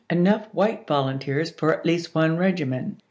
enough white volunteers for at least one regiment.